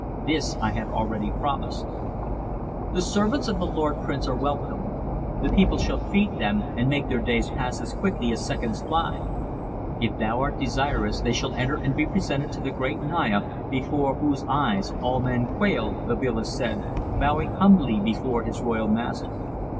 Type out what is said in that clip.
This I have already promised." "The servants of the lord prince are welcome. The people shall fête them, and make their days pass as quickly as seconds fly. If thou art desirous they shall enter and be presented to the great Naya before whose eyes all men quail," Babila said, bowing humbly before his royal master.